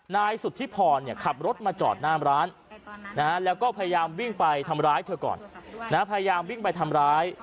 นายสุธิพรขับรถมาจอดหน้าร้านแล้วก็พยายามวิ่งไปทำร้ายเธอก่อนพยายามวิ่งไปทำร้าย